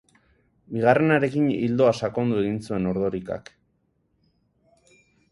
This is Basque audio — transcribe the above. Bigarrenarekin ildoa sakondu egin zuen Ordorikak.